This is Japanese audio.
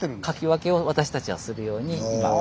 書き分けを私たちはするように今。